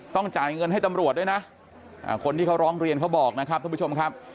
จ่ายเงินให้ตำรวจด้วยนะคนที่เขาร้องเรียนเขาบอกนะครับท่านผู้ชมครับ